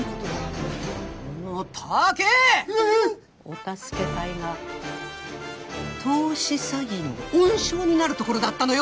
お助け隊が投資詐欺の温床になるところだったのよ！